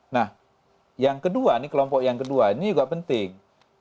nah yang kedua nih kelompok yang kedua ini juga penting